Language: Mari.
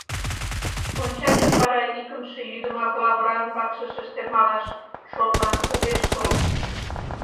Монча деч вара икымше йӱдымак лавыран вакшышыште малаш шотлан огеш тол.